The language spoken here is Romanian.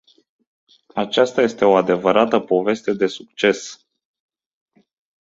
Aceasta este o adevărată poveste de succes.